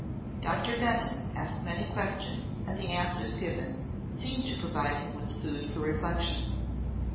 Doctor Benton asked many questions and the answers given seemed to provide him with food for reflection.